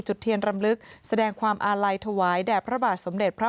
จุดเทียนรำลึกแสดงความอาลัยถวายแด่พระบาทสมเด็จพระ